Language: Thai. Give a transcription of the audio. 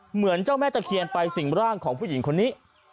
เหมือนเจ้าแม่ตะเคียนไปสิ่งร่างของผู้หญิงคนนี้